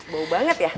bau banget ya